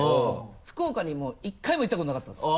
福岡にも１回も行ったことなかったんです。